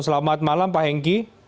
selamat malam pak henki